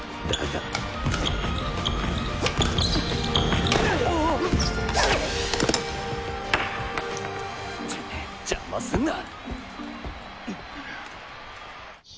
チッ邪魔すんな。